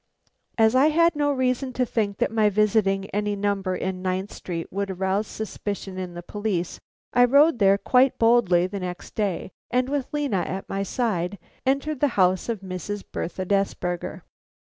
As I had no reason to think that my visiting any number in Ninth Street would arouse suspicion in the police, I rode there quite boldly the next day, and with Lena at my side, entered the house of Mrs. Bertha Desberger.